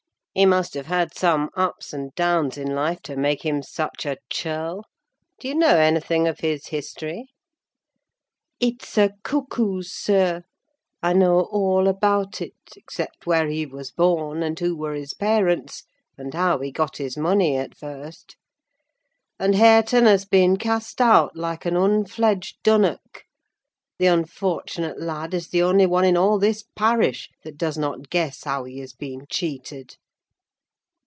"He must have had some ups and downs in life to make him such a churl. Do you know anything of his history?" "It's a cuckoo's, sir—I know all about it: except where he was born, and who were his parents, and how he got his money at first. And Hareton has been cast out like an unfledged dunnock! The unfortunate lad is the only one in all this parish that does not guess how he has been cheated."